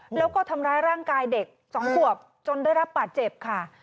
แล้วก็ทำร้ายร่างกายเด็ก๒ขวบจนได้รับบาดเจ็บค่ะ